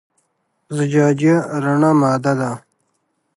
زجاجیه رڼه ماده ده.